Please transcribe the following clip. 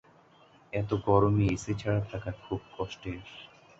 এত গরমে এসি ছাড়া থাকা খুব কষ্টের।